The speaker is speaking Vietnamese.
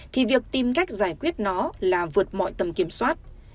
thì việc tìm cách giải quyết nó là vượt mọi tầm kiểm soát